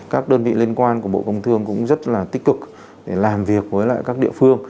các đơn vị liên quan của bộ công thương cũng rất là tích cực để làm việc với các địa phương